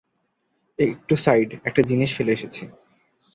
একটু সাইড, একটা জিনিস ফেলে এসেছি।